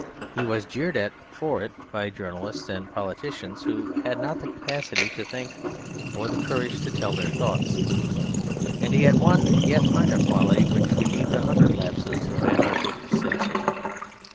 He was jeered at for it by journalists and politicians who had not the capacity to think or the courage to tell their thoughts. And he had one yet finer quality which redeems a hundred lapses of anarchic cynicism.